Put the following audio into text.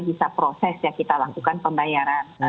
bisa proses ya kita lakukan pembayaran